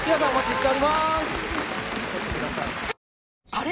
あれ？